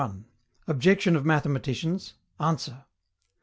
131. OBJECTION OF MATHEMATICIANS. ANSWER.